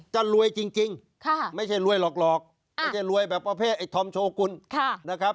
จะรวยจริงไม่ใช่รวยหรอกไม่ใช่รวยแบบประเภทไอ้ธอมโชกุลนะครับ